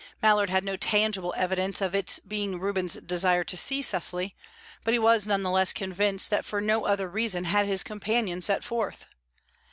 Mallard had no tangible evidence of its being Reuben's desire to see Cecily, but he was none the less convinced that for no other reason had his companion set forth.